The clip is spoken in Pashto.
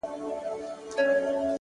هره هڅه یو نوی امکان جوړوي!